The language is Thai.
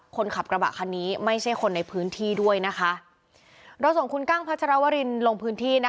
คนขับกระบะคันนี้ไม่ใช่คนในพื้นที่ด้วยนะคะเราส่งคุณกั้งพัชรวรินลงพื้นที่นะคะ